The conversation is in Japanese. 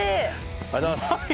ありがとうございます。